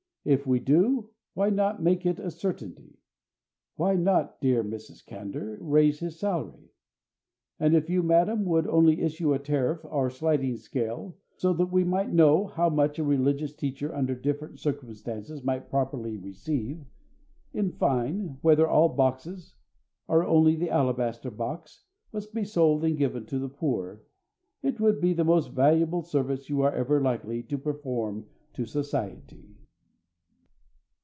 If we do, why not make it a certainty; why not, dear Mrs. Candour, raise his salary? And if you, madam, would only issue a tariff or sliding scale, so that we might know how much a religious teacher under different circumstances might properly receive in fine, whether all boxes, or only the alabaster box, must be sold and given to the poor it would be the most valuable service you are ever likely to perform to society.